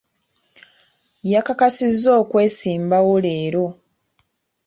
Yakakasizza okwesimbawo leero.